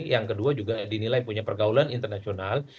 yang kedua juga dinilai punya pergaulan internasional